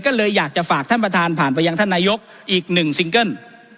ก็เลยอยากจะฝากท่านประธานผ่านไปยังท่านนายกอีกหนึ่งซิงเกิ้ล